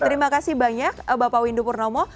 terima kasih banyak bapak windu purnomo